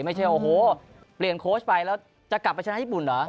ไม่ใช่โอ้โหเปลี่ยนโค้ชไปแล้วจะกลับไปชนะญี่ปุ่นเหรอ